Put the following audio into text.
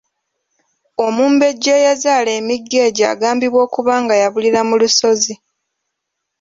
Omumbejja eyazaala emigga egyo agambibwa okuba nga yabulira mu lusozi.